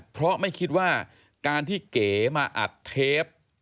เพราะไม่คิดว่าการที่เก๋มาอัดเทป